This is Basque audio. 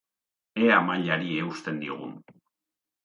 Ea mailari eusten diogun.